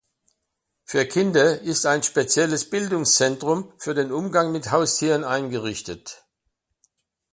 Für Kinder ist ein spezielles Bildungszentrum für den Umgang mit Haustieren eingerichtet.